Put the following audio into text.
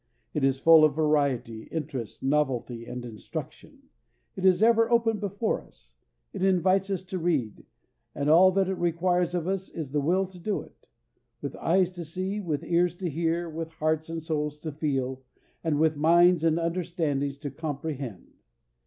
It is full of variety, interest, novelty, and instruction. It is ever open before us. It invites us to read, and all that it requires of us is the will to do it; with eyes to see, with ears to hear, with hearts and souls to feel, and with minds and understandings to comprehend.